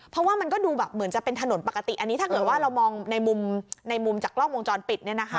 เพราะว่ามันก็ดูเหมือนจะเป็นถนนปกติอันนี้ถ้าเกิดว่าเรามองในมุมจากล้องวงจรปิด